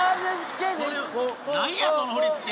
何やその振り付け！